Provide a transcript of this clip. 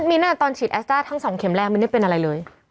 มิ้นตอนฉีดแอสต้าทั้ง๒เข็มแรกมิ้นได้เป็นอะไรเลย